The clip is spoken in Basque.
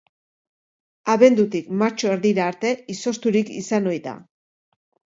Abendutik martxo erdira arte izozturik izan ohi da.